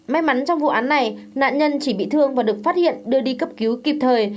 may mắn trong vụ án này nạn nhân chỉ bị thương và được phát hiện đưa đi cấp cứu kịp thời